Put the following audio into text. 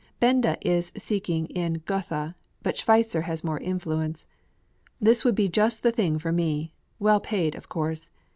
Benda is seeking in Gotha, but Schweitzer has more influence. This would be just the thing for me; well paid, of course.